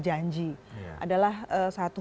janji adalah satu